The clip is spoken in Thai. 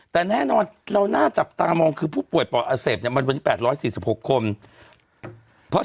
หรอหรอหรอหรอหรอหรอหรอหรอหรอหรอหรอหรอหรอ